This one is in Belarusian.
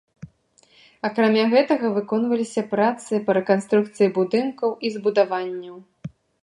Акрамя гэтага, выконваліся працы па рэканструкцыі будынкаў і збудаванняў.